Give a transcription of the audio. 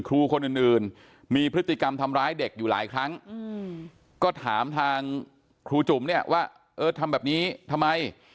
ครูคนอื่นมีพฤติกรรมทำร้ายเด็กอยู่หลายครั้งก็ถามทางครูจุ๋มเนี่ยว่าเออทำแบบนี้ทำไม